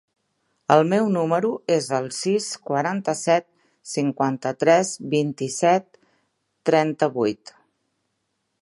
El meu número es el sis, quaranta-set, cinquanta-tres, vint-i-set, trenta-vuit.